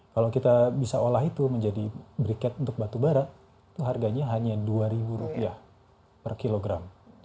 kalau kita bisa olah itu menjadi briket untuk batu bara harganya hanya dua ribu rupiah per kilogram